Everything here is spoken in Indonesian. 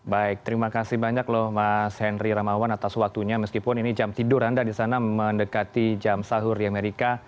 baik terima kasih banyak loh mas henry ramawan atas waktunya meskipun ini jam tidur anda di sana mendekati jam sahur di amerika